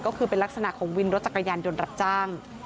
ก็คือเป็นลักษณะของวินรถจักรยานยนต์รับจ้าง